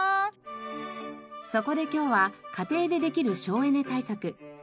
そこで今日は家庭でできる省エネ対策